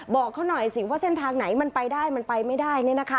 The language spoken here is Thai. บอกเขาหน่อยสิว่าเส้นทางไหนมันไปได้มันไปไม่ได้